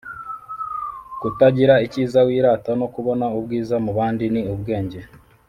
Kutagira icyiza wirata no kubona ubwiza mu bandi ni ubwenge